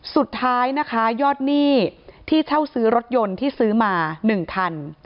สุดท้ายนะคะยอดหนี้ที่เช่าซื้อรถยนต์ที่ซื้อมา๑คัน